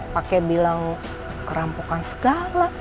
pake bilang kerampukan segala